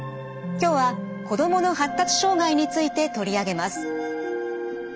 今日は子どもの発達障害について取り上げます。